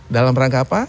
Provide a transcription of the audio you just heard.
dalam rangka apa